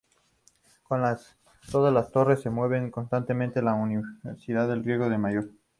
Como todas las torres se mueven constantemente, la uniformidad en el riego es mayor.